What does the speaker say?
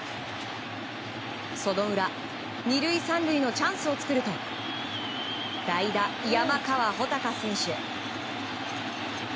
その裏２塁３塁のチャンスを作ると代打、山川穂高選手。